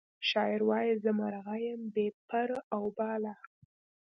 شاعر وایی زه مرغه یم بې پر او باله